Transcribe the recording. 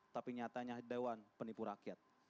tapi nyatanya dewan penipu rakyat